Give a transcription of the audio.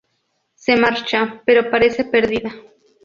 Se marcha, pero parece perdida.